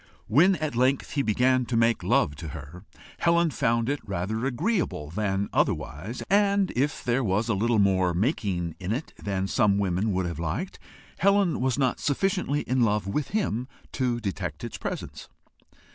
When at length he began to make love to her, Helen found it rather agreeable than otherwise; and, if there was a little more MAKING in it than some women would have liked, Helen was not sufficiently in love with him to detect its presence.